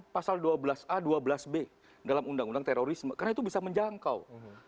pasal dua belas a dua belas b dalam undang undang terorisme karena itu bisa menjangkau